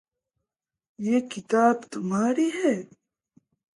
ये किताबें तुम्हारी हैं।